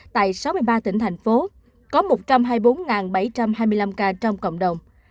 tại sáu mươi ba tỉnh thành phố có một trăm hai mươi bốn bảy trăm hai mươi năm ca trong cộng đồng